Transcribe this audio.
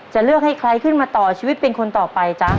จะเลือกให้ใครขึ้นมาต่อชีวิตเป็นคนต่อไปจ๊ะ